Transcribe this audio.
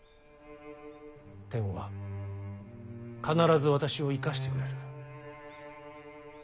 天は必ず私を生かしてくれる。